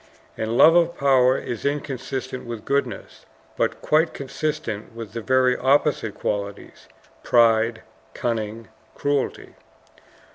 And love of power is inconsistent with goodness; but quite consistent with the very opposite qualities pride, cunning, cruelty.